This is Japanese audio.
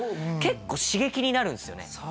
結構刺激になるんすよね